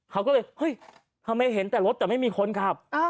เขาก็เลยเฮ้ยทำไมเห็นแต่รถแต่ไม่มีคนขับ